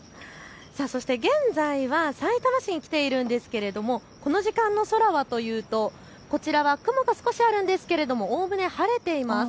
そして現在はさいたま市に来ているんですけれどもこの時間の空はというと、こちらは雲が少しあるんですがおおむね晴れています。